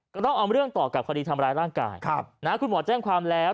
ก็ต้องเอาเรื่องต่อกับคดีทำร้ายร่างกายคุณหมอแจ้งความแล้ว